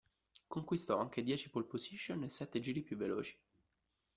Conquistò anche dieci pole position e sette giri più veloci.